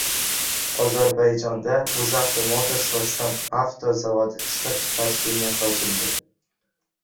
Ozarbayjonda “UzAuto Motors” va “SamAvto” zavodi ishlab chiqarish liniyasi ochildi